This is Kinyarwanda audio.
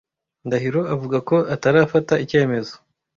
Ndahiro avuga ko atarafata icyemezo.